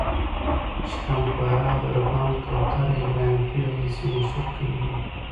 شکم پاره، دربند، کوتره، ابراهیم خیل د دې سیمې مشهور کلي دي.